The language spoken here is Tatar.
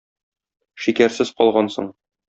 Шикәрсез калгансың.